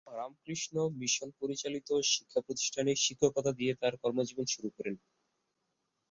রামকৃষ্ণ মিশন পরিচালিত শিক্ষাপ্রতিষ্ঠানে শিক্ষকতা দিয়ে তার কর্মজীবন শুরু করেন।